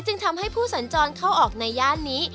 จึงทำให้ผู้สัญจรเข้าออกในย่านนี้